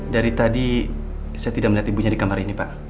dari tadi saya tidak melihat ibunya di kamar ini pak